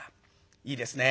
いいですね。